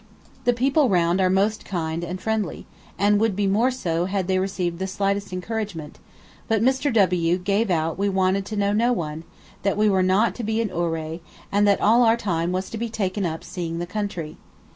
The people round are most kind and friendly, and would be more so had they received the slightest encouragement; but Mr. W gave out we wanted to know no one, that we were not to be in Ouray, and that all our time was to be taken up seeing the country.